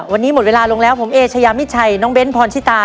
วันนี้หมดเวลาลงแล้วผมเอเชยามิชัยน้องเบ้นพรชิตา